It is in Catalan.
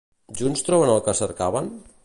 Junts troben el que cercaven?